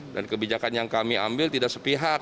dan kebijakan yang kami ambil tidak sepihak